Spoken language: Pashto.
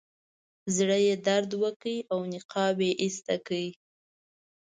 زړه یې درد وکړ او نقاب یې ایسته کړ.